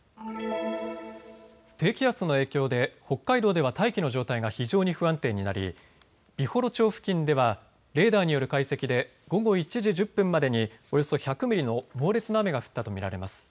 低気圧の影響で北海道では大気の状態が非常に不安定になり美幌町付近ではレーダーによる解析で午後１時１０分までにおよそ１００ミリの猛烈な雨が降ったと見られます。